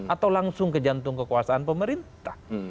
atau langsung ke jantung kekuasaan pemerintah